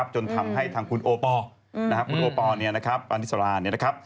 จนทำให้ทางคุณโอปอร์อันนี้สารา